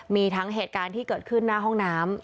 มีทั้งเหตุการณ์ที่เกิดขึ้นหน้าห้องน้ำ